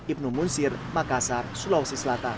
ibnu munsir makassar sulawesi selatan